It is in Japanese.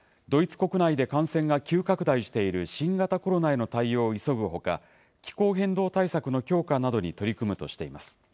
国内で感染が急拡大している新型コロナへの対応を急ぐほか、気候変動対策の強化などに取り組むとしています。